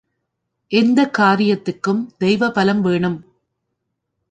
எந்த காரியத்துக்கும் தெய்வபலம் வேணும்.